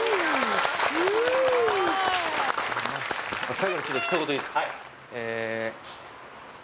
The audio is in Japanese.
最後にちょっと一言いいですか？